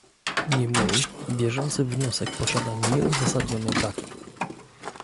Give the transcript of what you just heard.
Niemniej, bieżący wniosek posiada nieuzasadnione braki